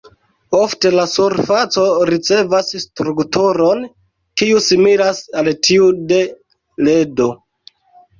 Ofte la surfaco ricevas strukturon kiu similas al tiu de ledo.